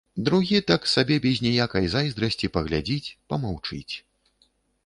Другі так сабе без ніякай зайздрасці паглядзіць, памаўчыць.